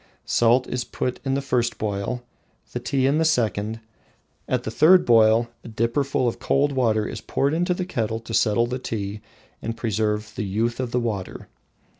Salt is put in the first boil, the tea in the second. At the third boil, a dipperful of cold water is poured into the kettle to settle the tea and revive the "youth of the water."